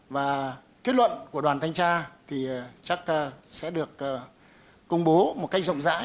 và kết luận của đoàn thanh tra thì chắc sẽ được công bố một cách rộng rãi